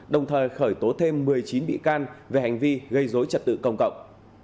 đồng thời khởi tố thêm một mươi chín bị can về hành vi gây dối trật tự công cộng